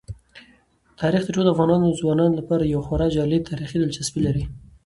تاریخ د ټولو افغان ځوانانو لپاره یوه خورا جالب تاریخي دلچسپي لري.